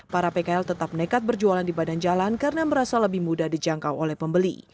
para pkl tetap nekat berjualan di badan jalan karena merasa lebih mudah dijangkau oleh pembeli